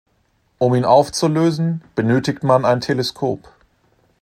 Um ihn aufzulösen benötigt man ein Teleskop.